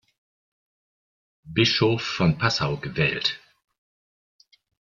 Bischof von Passau gewählt.